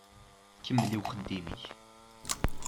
Kemmel i uxeddim-ik.